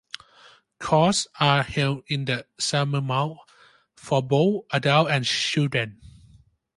Courses are held in the summer months for both adults and children.